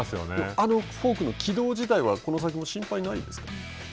あのフォークの軌道自体は、この先も心配はないですか。